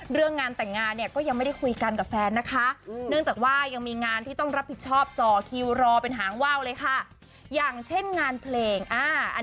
เรื่องงานแต่งงานเนี่ยก็ยังไม่ได้คุยกันกับแฟนนะคะ